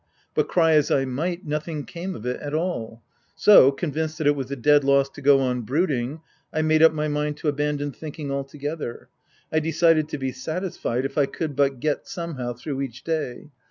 But cry as I might, nothing came of it at all ; so, convinced that it was a dead loss to go on brooding, I made up my mind to abandon thinking altogether. I decided to be satisfied if I could but get somehow through each day.